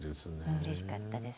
うれしかったですね。